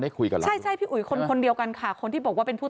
คุยกันเลยใช่ใช่พี่อุ๋ยคนคนเดียวกันค่ะคนที่บอกว่าเป็นผู้